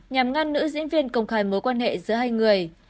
nhằm ngăn nữ diễn viên công khai mối quan hệ giữa hai người